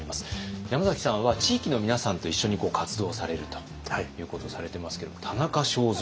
山崎さんは地域の皆さんと一緒に活動されるということをされてますけど田中正造